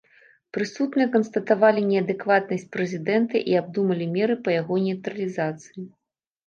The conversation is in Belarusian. Прысутныя канстатавалі неадэкватнасць прэзідэнта і абдумалі меры па яго нейтралізацыі.